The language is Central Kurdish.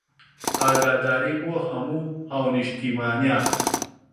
ئاگاداری بۆ هەموو هاونیشتمانیان